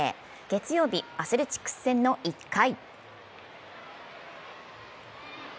月曜日、アスレチックス戦の１回。